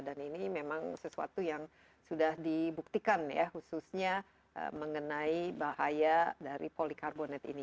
dan ini memang sesuatu yang sudah dibuktikan ya khususnya mengenai bahaya dari polikarbonat ini